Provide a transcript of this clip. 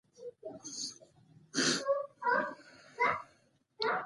بادرنګ بدن ته رڼا بښي.